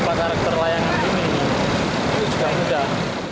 apa karakter layangan ini itu juga mudah